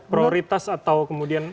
prioritas atau kemudian